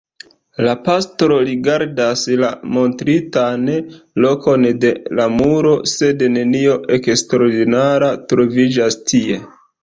La pastro rigardas la montritan lokon de la muro, sed nenio eksterordinara troviĝas tie.